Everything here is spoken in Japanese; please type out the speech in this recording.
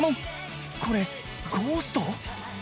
これゴースト？